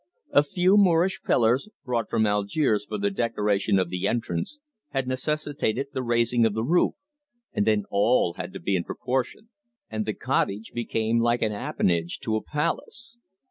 A few Moorish pillars, brought from Algiers for the decoration of the entrance, had necessitated the raising of the roof, and then all had to be in proportion, and the cottage became like an appanage to a palace.